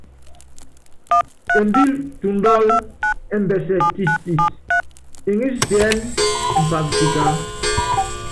Embíl tɔ́ndɔlɔ ɛmbɛsɛ tistis, eŋís tiɛ́nɛ́ mfak tikaá.